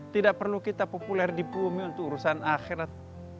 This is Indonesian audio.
tidak perlu kita populer di bumi untuk urusan akhirat